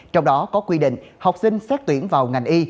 trong đó có quy định học sinh xét tuyển vào ngành y